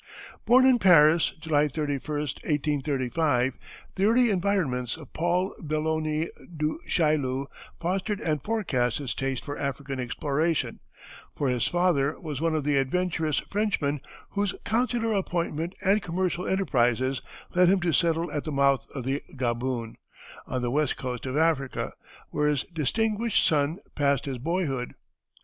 [Illustration: Paul Belloni Du Chaillu.] Born in Paris, July 31, 1835, the early environments of Paul Belloni Du Chaillu fostered and forecast his taste for African exploration, for his father was one of the adventurous Frenchmen whose consular appointment and commercial enterprises led him to settle at the mouth of the Gaboon, on the west coast of Africa, where his distinguished son passed his boyhood.